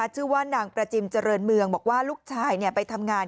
ชื่อว่านางประจิมเจริญเมืองบอกว่าลูกชายไปทำงาน